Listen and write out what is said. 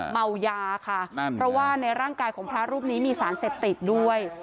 เมายาค่ะนั่นเพราะว่าในร่างกายของพระรูปนี้มีสารเสพติดด้วย